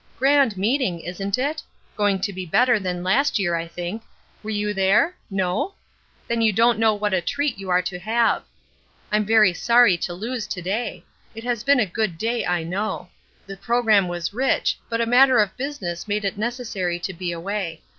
"Grand meeting, isn't it? Going to be better than last year, I think. Were you there? No? Then you don't know what a treat you are to have. I'm very sorry to lose to day. It has been a good day, I know. The programme was rich; but a matter of business made it necessary to be away.